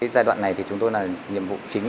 giai đoạn này thì chúng tôi là nhiệm vụ chính